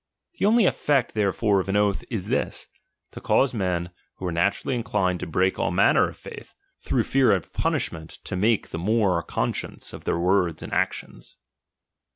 The only effect therefore of an oath is this ; to cause men, who are naturally inclined to break all manner of faith, through fear of punishment to make the more conscience of their words and actions.